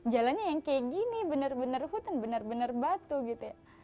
jalannya yang kayak gini benar benar hutan benar benar batu gitu ya